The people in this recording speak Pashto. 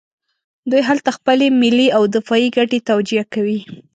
دوی هلته خپلې ملي او دفاعي ګټې توجیه کوي.